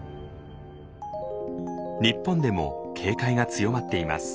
日本でも警戒が強まっています。